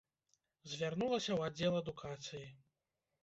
Звярнулася ў аддзел адукацыі.